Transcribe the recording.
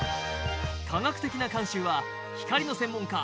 科学的な監修は光の専門家